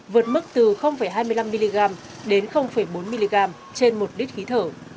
vượt mức từ hai mươi năm mg đến bốn mg trên một lít khí thở